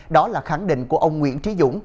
đó là khẳng định của ông nguyễn trí dũng